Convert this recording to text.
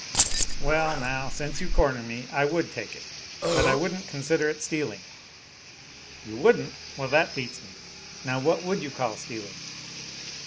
"Well, now, since you corner me, I would take it, but I wouldn't consider it stealing. "You wouldn't! Well, that beats me. Now what would you call stealing?"